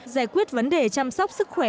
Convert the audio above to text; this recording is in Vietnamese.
giải quyết vấn đề chăm sóc sức khỏe